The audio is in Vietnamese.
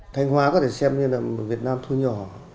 thanh hóa có thể xem như là một việt nam thu nhỏ